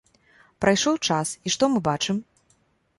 Прайшоў час, і што мы бачым?